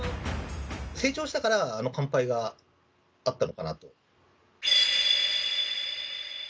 成長したからあの完敗があったのかなと。